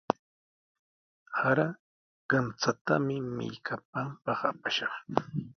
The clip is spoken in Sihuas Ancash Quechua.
Sara kamchatami millkapanpaq apashqa.